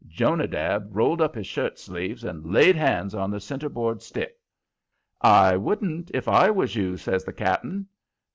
Jonadab rolled up his shirt sleeves and laid hands on the centerboard stick. "I wouldn't, if I was you," says the cap'n.